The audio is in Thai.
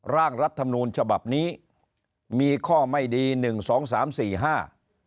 ร่างรัฐมนูลฉบับนี้มีข้อไม่ดีหนึ่งสองสามสี่ห้า